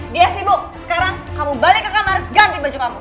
dia sibuk sekarang kamu balik ke kamar ganti baju kamu